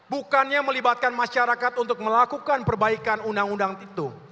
bukannya melibatkan masyarakat untuk melakukan perbaikan undang undang itu